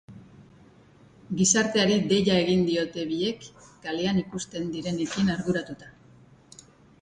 Gizarteari deia egin diote biek, kalean ikusten direnekin arduratuta.